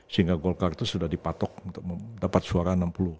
sehingga golkar itu sudah dipatok untuk mendapat suara enam puluh dua enam puluh tiga